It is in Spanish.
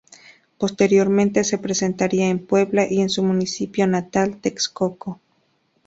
Posteriormente se presentaría en Puebla y en su municipio natal: Texcoco.